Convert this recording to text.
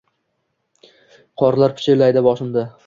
Qorlar pichirlaydi boshimda